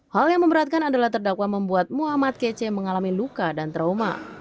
hal yang memberatkan adalah terdakwa membuat muhammad kc mengalami luka dan trauma